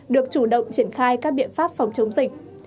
được chủ động triển khai các biện pháp phòng chống dịch